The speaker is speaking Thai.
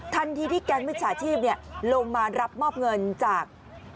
ที่แก๊งมิจฉาชีพลงมารับมอบเงินจาก